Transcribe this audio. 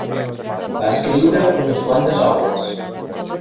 Va escriure unes quantes obres.